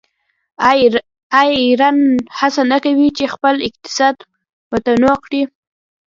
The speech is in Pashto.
آیا ایران هڅه نه کوي چې خپل اقتصاد متنوع کړي؟